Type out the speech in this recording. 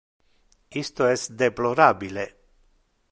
Isto es deplorabile.